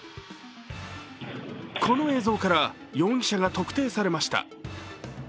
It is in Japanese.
この映像から容疑者が特定されました。